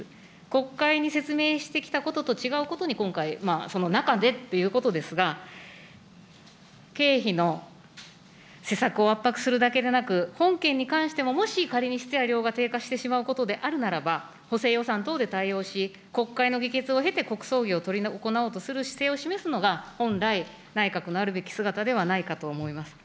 国会に説明してきたことと違うことに今回、その中でっていうことですが、経費の施策を圧迫するだけでなく、本件に関しても、もし仮に質や量が低下してしまうということであるならば、補正予算等で対応し、国会の議決を経て国葬儀を執り行おうとする姿勢を示すのが、本来、内閣のあるべき姿ではないかと思います。